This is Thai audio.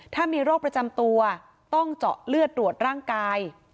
ถ้ามีโรคประจำตัวต้องเจาะเลือดตรวจร่างกาย